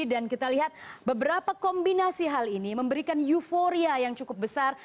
dan kita lihat beberapa kombinasi hal ini memberikan euforia yang cukup besar